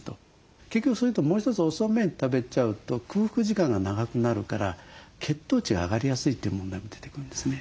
結局それともう一つ遅めに食べちゃうと空腹時間が長くなるから血糖値が上がりやすいという問題も出てくるんですね。